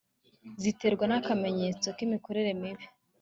ziterwa nakamenyero kimikorere mibi